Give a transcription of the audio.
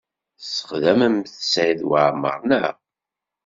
Tesxedmemt Saɛid Waɛmaṛ, naɣ?